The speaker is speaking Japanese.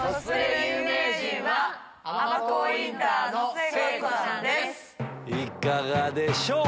いかがでしょう？